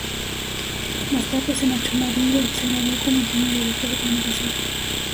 Más tarde se marchó a Madrid, donde se graduó como Ingeniero de Telecomunicación.